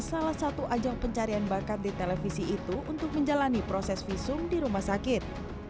salah satu ajang pencarian bakat di televisi itu untuk menjalani proses visum di rumah sakit